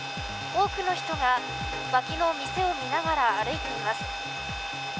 多くの人が脇の店を見ながら歩いています。